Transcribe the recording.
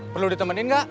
perlu ditemani gak